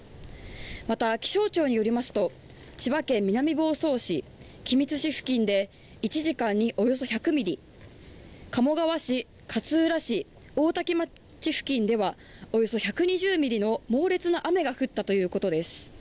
また気象庁によりますと千葉県南房総市、君津市付近で１時間におよそ１００ミリ鴨川市、勝浦市、大多喜町付近ではおよそ１２０ミリの猛烈な雨が降ったということです